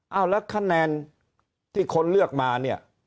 เอาแล้วคะแนนที่คนเลือกมาเนี่ย